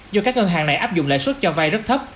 do các ngân hàng này áp dụng lãi suất cho vay rất thấp